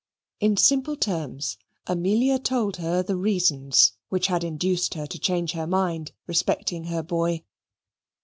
In simple terms, Amelia told her the reasons which had induced her to change her mind respecting her boy.